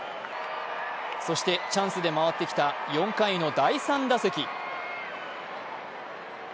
そしてチャンスで回ってきた４回の第３打席。